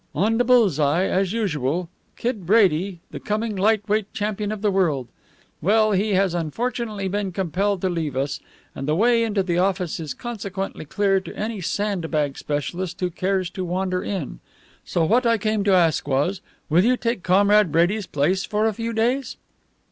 "On the bull's eye, as usual. Kid Brady, the coming light weight champion of the world. Well, he has unfortunately been compelled to leave us, and the way into the office is consequently clear to any sand bag specialist who cares to wander in. So what I came to ask was, will you take Comrade Brady's place for a few days?"